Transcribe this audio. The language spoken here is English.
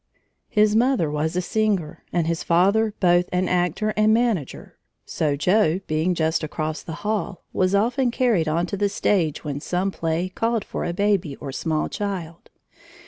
His mother was a singer, and his father both an actor and manager, so Joe, being just across the hall, was often carried on to the stage when some play called for a baby or small child.